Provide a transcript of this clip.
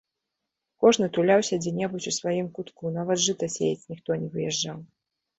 Кожны туляўся дзе-небудзь у сваім кутку, нават жыта сеяць ніхто не выязджаў.